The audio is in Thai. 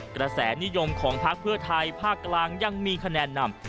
กระแสนิยมของพักเพื่อไทยภาคกลางยังมีคะแนนนำ